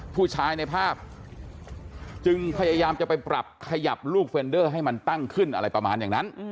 ผู้ชายในภาพจึงพยายามจะไปปรับขยับลูกเรนเดอร์ให้มันตั้งขึ้นอะไรประมาณอย่างนั้น